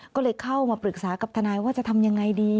ก็เลยเข้ามาปรึกษากับทนายว่าจะทำยังไงดี